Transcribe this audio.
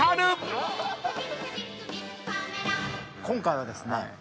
今回はですね